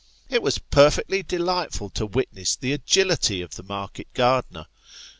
It was perfectly delightful to witness the agility of the market gardener.